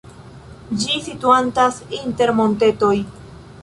Ĝi situantas inter montetoj.